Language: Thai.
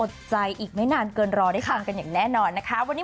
ใจอีกไม่นานเกินรอได้ฟังกันอย่างแน่นอนนะคะวันนี้